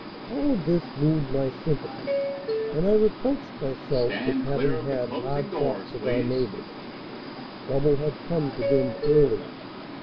All this moved my sympathy, and I reproached myself with having had hard thoughts of our neighbors. Trouble had come to them early.